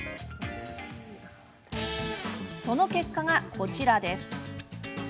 その結果が、こちらです。